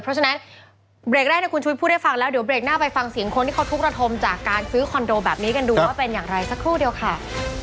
เพราะฉะนั้นเบรกแรกที่คุณชุวิตพูดให้ฟังแล้วเดี๋ยวเบรกหน้าไปฟังเสียงคนที่เขาทุกระทมจากการซื้อคอนโดแบบนี้กันดูว่าเป็นอย่างไรสักครู่เดียวค่ะ